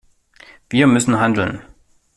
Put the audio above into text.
Wir müssen handeln.